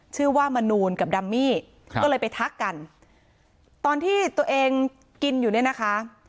มนูลกับดัมมี่ก็เลยไปทักกันตอนที่ตัวเองกินอยู่เนี่ยนะคะ